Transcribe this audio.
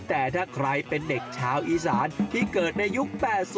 แต่ถ้าใครเป็นเด็กชาวอีสานที่เกิดในยุค๘๐